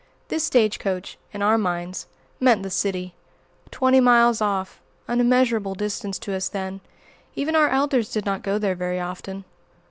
This stage coach, in our minds, meant the city, twenty miles off; an immeasurable distance to us then. Even our elders did not go there very often.